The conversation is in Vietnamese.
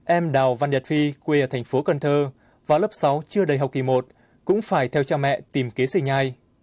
em đào văn nhật phi quê ở thành phố cần thơ và lớp sáu chưa đầy học kỳ một cũng phải theo cha mẹ tìm kế sinh nhai